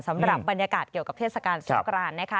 สำหรับบรรยากาศเกี่ยวกับเทศกาลสงกรานนะคะ